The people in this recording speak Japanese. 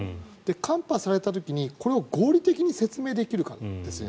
看破された時に、これを合理的に説明できるかですね。